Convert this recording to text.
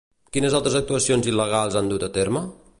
Quines altres actuacions il·legans han dut a terme?